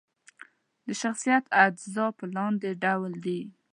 د شخصیت اجزا په لاندې ډول دي: